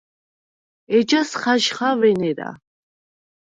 ეჯას ხაჟხა ვენერა.